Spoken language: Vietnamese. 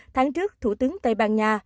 tháng trước thủ tướng tây ban nha